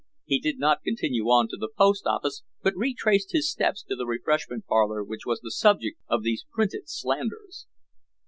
He did not continue on to the post office but retraced his steps to the refreshment parlor which was the subject of these printed slanders.